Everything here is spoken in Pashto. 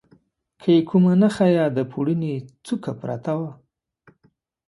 که یې کومه نخښه یا د پوړني څوکه پرته وه.